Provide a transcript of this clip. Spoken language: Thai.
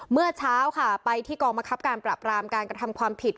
เมื่อเช้าค่ะไปที่กองมะครับการปรับรามการกระทำความผิด